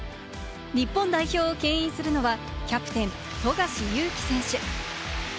日本代表をけん引するのはキャプテン・富樫勇樹選手。